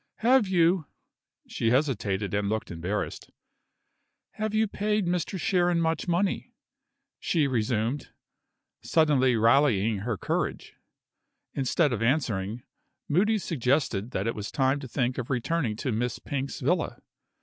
"Have you " she hesitated and looked embarrassed. "Have you paid Mr. Sharon much money?" she resumed, suddenly rallying her courage. Instead of answering, Moody suggested that it was time to think of returning to Miss Pink's villa.